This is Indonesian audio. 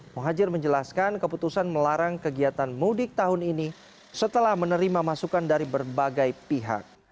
muhajir menjelaskan keputusan melarang kegiatan mudik tahun ini setelah menerima masukan dari berbagai pihak